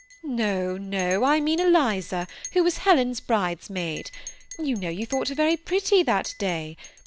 " No, no ; I mean Eliza, who was Helen's brides maid. You know you thought her very pretty that day.